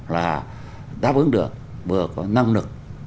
là đáp ứng được vừa có năng lực